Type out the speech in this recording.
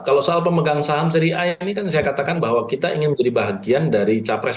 kalau soal pemegang saham seri a ini kan saya katakan bahwa kita ingin menjadi bahagian dari capres